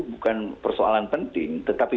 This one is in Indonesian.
bukan persoalan penting tetapi